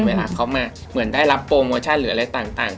เวลาเขามาเหมือนได้รับโปรโมชั่นหรืออะไรต่าง